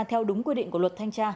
theo đúng quy định của luật thanh tra